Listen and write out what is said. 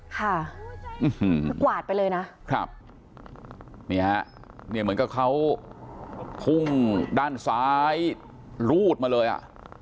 ค่ะคือกวาดไปเลยนะครับนี่ฮะเนี่ยเหมือนกับเขาพุ่งด้านซ้ายรูดมาเลยอ่ะ